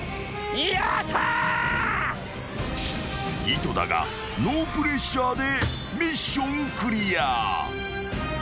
［井戸田がノープレッシャーでミッションクリア］